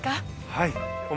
はい。